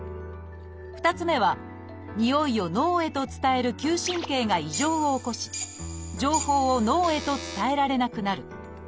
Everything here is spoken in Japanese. ２つ目はにおいを脳へと伝える嗅神経が異常を起こし情報を脳へと伝えられなくなる。